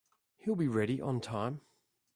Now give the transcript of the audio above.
He'll be ready on time.